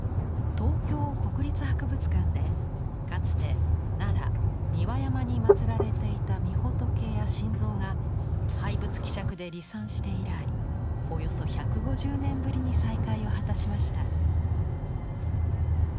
東京国立博物館でかつて奈良・三輪山にまつられていたみほとけや神像が廃仏毀釈で離散して以来およそ１５０年ぶりに再会を果たしました。